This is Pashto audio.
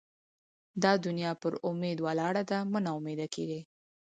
دا دونیا پر اُمید ولاړه ده؛ مه نااميده کېږئ!